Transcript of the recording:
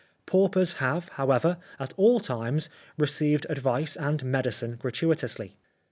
Paupers have, however, at all times received advice and medicine gratuitously.